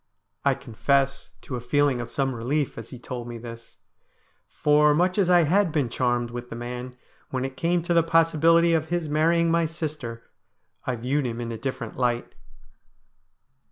I confess to a feeling of some relief as he told me this, for much as I had been charmed with the man, when it came to the possibility of his marrying my sister I viewed him in a 28o STORIES WEIRD AND WONDERFUL different light.